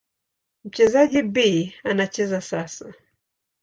Mchezaji B anacheza sasa.